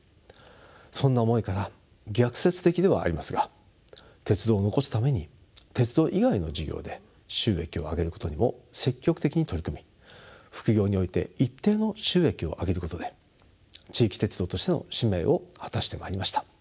そんな思いから逆説的ではありますが鉄道を残すために鉄道以外の事業で収益を上げることにも積極的に取り組み副業において一定の収益を上げることで地域鉄道としての使命を果たしてまいりました。